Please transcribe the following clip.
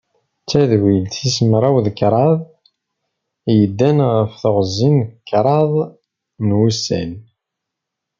D tadwilt tis mraw d kraḍe, yeddan ɣef teɣzi n kraḍ n wussan.